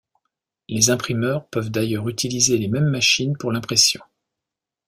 Les imprimeurs peuvent d'ailleurs utiliser les même machines pour l'impression.